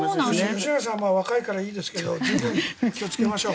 吉永さんは若いからいいですけど気をつけましょう。